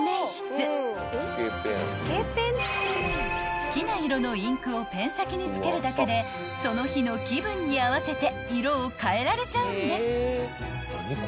［好きな色のインクをペン先に付けるだけでその日の気分に合わせて色をかえられちゃうんです］